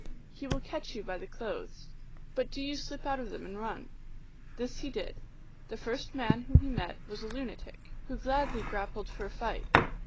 He will catch you by the clothes ; 356 THE ALGONQUIN LEGENDS. but do you slip out of them and run." This he did ; the first man whom he met was a lunatic, who gladly grappled for a fight.